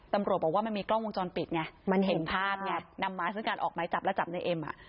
ตำรวจบอกว่ามันมีกล้องวงจรปิดไงมันเห็นภาพไงนำมาซึ่งการออกไม้จับและจับในเอ็มอ่ะ